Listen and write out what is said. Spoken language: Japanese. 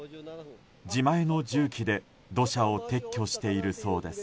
自前の重機で土砂を撤去しているそうです。